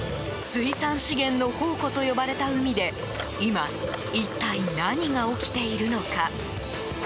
水産資源の宝庫と呼ばれた海で今、一体何が起きているのか。